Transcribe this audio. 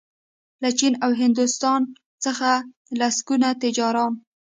له چین او هندوستان څخه لسګونه تجاران